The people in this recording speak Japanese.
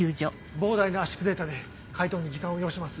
膨大な圧縮データで解凍に時間を要します。